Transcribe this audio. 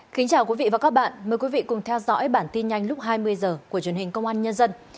kính chào quý vị và các bạn mời quý vị cùng theo dõi bản tin nhanh lúc hai mươi h của truyền hình công an nhân dân